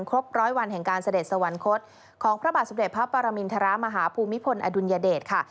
ครบร้อยวันแห่งการเสด็จสวรรคตของพระบาทสมเด็จพระปรมินทรมาฮภูมิพลอดุลยเดชค่ะ